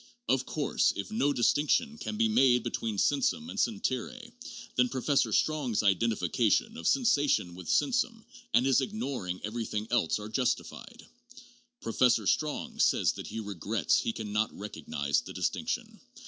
Of course, if no dis tinction can be made between sensum and sentire, then Professor Strong's identification of sensation with sensum and his ignoring everything else are justified. Professor Strong says that he regrets he can not recognize the distinction.